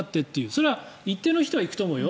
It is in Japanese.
それは一定の人は行くと思うよ。